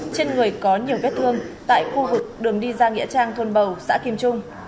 trên người có nhiều vết thương tại khu vực đường đi ra nghĩa trang thôn bầu xã kim trung